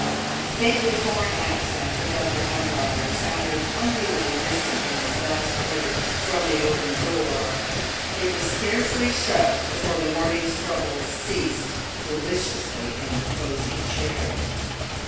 The faintly foreign accents of Dr. Baumgartner sounded unduly distant in his last words from the open door. It was scarcely shut before the morning's troubles ceased deliciously in the cosy chair.